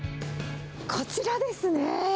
こちらですね。